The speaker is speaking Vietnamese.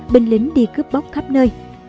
bình lính đi cướp bóc khắp nơi